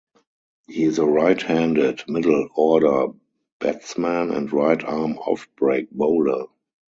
He is a right-handed middle order batsman and right arm off-break bowler.